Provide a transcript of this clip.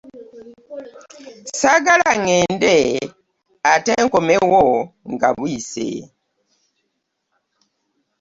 Ssaagala ŋŋende ate nkomewo nga buyise.